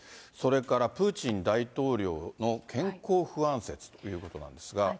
それからプーチン大統領の健康不安説ということなんですが。